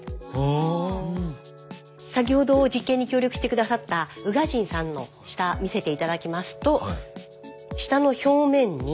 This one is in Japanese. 先ほど実験に協力して下さった宇賀神さんの舌見せて頂きますと舌の表面に。